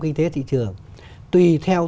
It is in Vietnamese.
kinh tế thị trường tùy theo